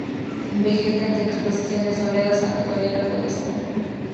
Vegeta en exposiciones soleadas, aunque tolera algo de sombra.